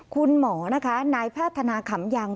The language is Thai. คุณหมอนะคะนายแพทย์ธนาขำยัง